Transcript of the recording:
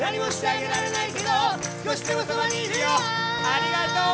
ありがとう！